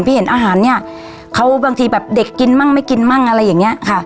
เห็นอาหารเนี้ยเขาบางทีแบบเด็กกินมั่งไม่กินมั่งอะไรอย่างเงี้ยค่ะ